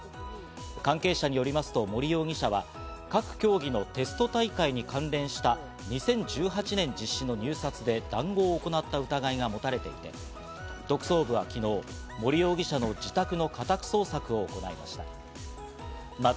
関係者によりますと、森容疑者は各競技のテスト大会に関連した２０１８年実施の入札で、談合を行った疑いが持たれていて、特捜部は昨日、森容疑者の自宅の家宅捜索を行いました。